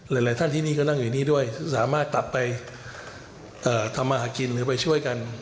หลายท่านที่นี่ก็นั่งอยู่นี่ด้วยสามารถกลับไปทำมาหากินหรือไปช่วยกัน